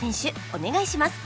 お願いします！